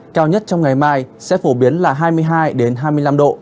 cao nhất trong ngày mai sẽ phổ biến là hai mươi hai hai mươi năm độ